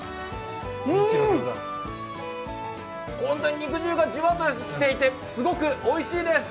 肉汁がじわっとしていてすごくおいしいです！